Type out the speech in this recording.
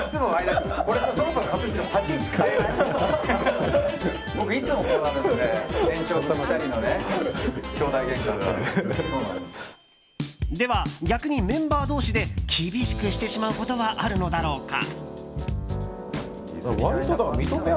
すると、上田さんからも。では逆にメンバー同士で厳しくしてしまうことはあるのだろうか。